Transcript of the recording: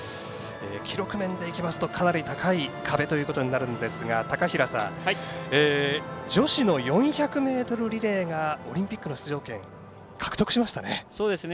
記録面で言うとかなり高い壁ですが高平さん女子の４００ｍリレーがオリンピックの出場権獲得しましたね。